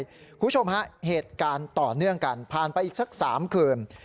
คุณผู้ชมฮะเหตุการณ์ต่อเนื่องกันผ่านไปอีกสัก๓คืน